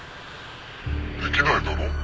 できないだろ？